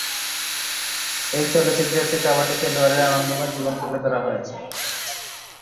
এই চলচ্চিত্রে একটি কাবাডি খেলোয়াড়ের আনন্দময় জীবন তুলা ধরা হয়েছে।